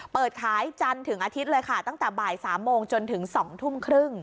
เปิดขายจันทร์ถึงอาทิตย์เลยค่ะตั้งแต่บ่าย๓โมงจนถึง๒ทุ่มครึ่ง